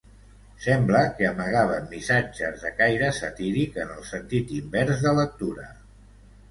Sembla que amagaven missatges de caire satíric en el sentit invers de lectura.